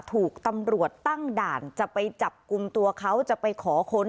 ถูกตำรวจตั้งด่านจะไปจับกลุ่มตัวเขาจะไปขอค้น